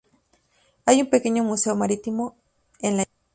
Hay un pequeño museo marítimo en la isla.